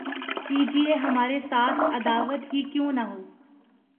کیجئے ہمارے ساتھ‘ عداوت ہی کیوں نہ ہو